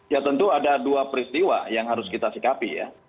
ya tentu ada dua peristiwa yang harus kita sikapi ya